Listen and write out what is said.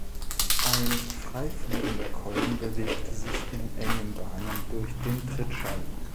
Ein frei fliegender Kolben bewegte sich in engen Bahnen durch den Trittschall.